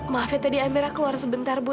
maafin tadi amira keluar sebentar bu